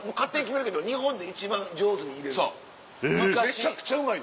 めちゃくちゃうまい。